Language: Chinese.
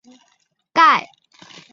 沙马朗代舒瓦盖。